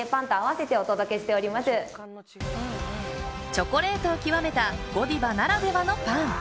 チョコレートを極めたゴディバならではのパン。